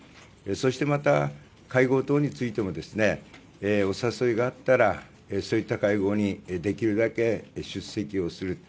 そしてまた会合等についてもお誘いがあったらそういった会合にできるだけ出席する。